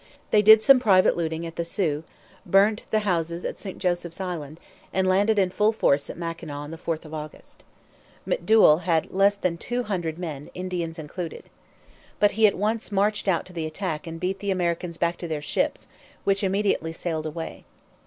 They did some private looting at the Sault, burnt the houses at St Joseph's Island, and landed in full force at Mackinaw on the 4th of August. McDouall had less than two hundred men, Indians included. But he at once marched out to the attack and beat the Americans back to their ships, which immediately sailed away.